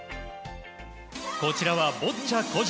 こちらはボッチャ個人。